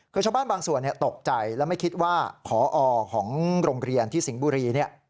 คือชาวบ้านบางส่วนตกใจและไม่คิดว่าพอของโรงเรียนที่สิงห์บุรี